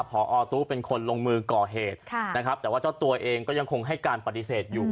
พอตู้เป็นคนลงมือก่อเหตุนะครับแต่ว่าเจ้าตัวเองก็ยังคงให้การปฏิเสธอยู่